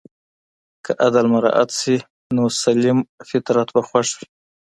که عدل مراعت سي نو سلیم فطرت به خوښ وي.